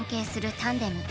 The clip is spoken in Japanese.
タンデム